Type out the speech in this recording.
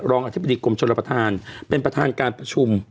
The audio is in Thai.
อธิบดีกรมชนประธานเป็นประธานการประชุม